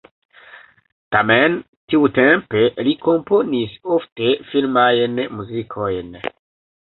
Tamen tiutempe li komponis ofte filmajn muzikojn.